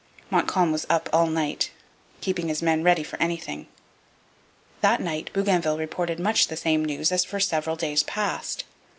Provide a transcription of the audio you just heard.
Montcalm was up all night, keeping his men ready for anything. That night Bougainville reported much the same news as for several days past.